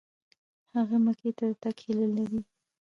هغه مکې ته د تګ هیله لري.